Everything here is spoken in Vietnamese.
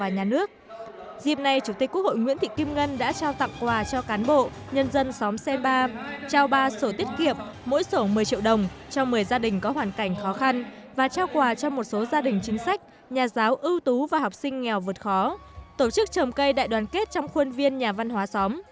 dịp này chủ tịch quốc hội nguyễn thị kim ngân đã trao tặng quà cho cán bộ nhân dân xóm xe ba trao ba sổ tiết kiệm mỗi sổ một mươi triệu đồng cho một mươi gia đình có hoàn cảnh khó khăn và trao quà cho một số gia đình chính sách nhà giáo ưu tú và học sinh nghèo vượt khó tổ chức trồng cây đại đoàn kết trong khuôn viên nhà văn hóa xóm